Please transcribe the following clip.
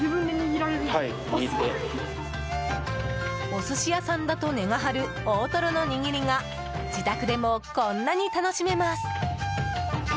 お寿司屋さんだと値が張る大トロの握りが自宅でもこんなに楽しめます。